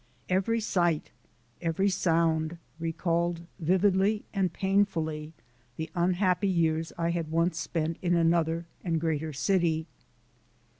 Every sight, every sound, recalled vividly and painfully the unhappy years I had once spent in another and greater city.